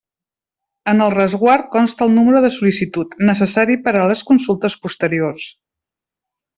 En el resguard consta el número de sol·licitud, necessari per a les consultes posteriors.